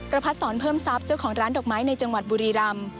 พัดสอนเพิ่มทรัพย์เจ้าของร้านดอกไม้ในจังหวัดบุรีรำ